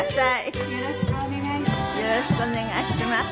よろしくお願いします。